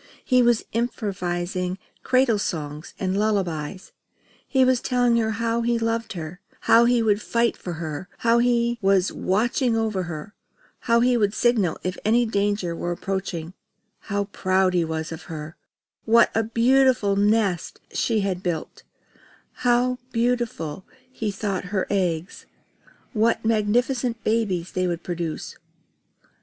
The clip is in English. He was improvising cradle songs and lullabies. He was telling her how he loved her, how he would fight for her, how he was watching over her, how he would signal if any danger were approaching, how proud he was of her, what a perfect nest she had built, how beautiful he thought her eggs, what magnificent babies they would produce.